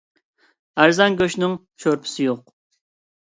ئەرزان گۆشنىڭ شورپىسى يوق.